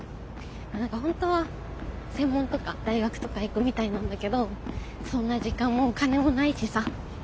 何か本当は専門とか大学とか行くみたいなんだけどそんな時間もお金もないしさ。